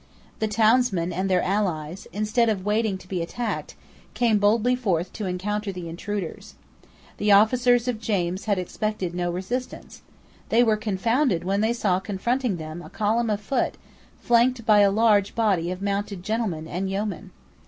The townsmen and their allies, instead of waiting to be attacked, came boldly forth to encounter the intruders. The officers of James had expected no resistance. They were confounded when they saw confronting them a column of foot, flanked by a large body of mounted gentlemen and yeomen.